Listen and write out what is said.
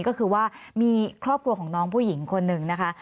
ก็คือว่ามีครอบครัวของน้องผู้หญิงคนหนึ่งนะคะ